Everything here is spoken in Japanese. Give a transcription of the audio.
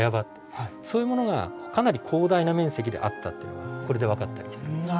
そういうものがかなり広大な面積であったというのがこれで分かったりするんです。